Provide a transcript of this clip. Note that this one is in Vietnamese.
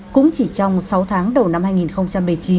cũng chỉ trong sáu tháng đầu năm hai nghìn một mươi chín